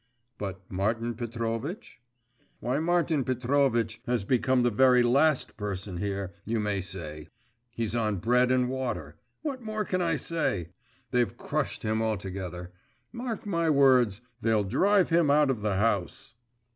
'But Martin Petrovitch?' 'Why, Martin Petrovitch has become the very last person here, you may say. He's on bread and water, what more can one say? They've crushed him altogether. Mark my words; they'll drive him out of the house.